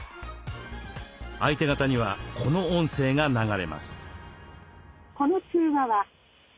相手方にはこの音声が流れます。